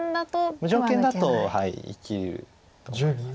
無条件だと生きると思います。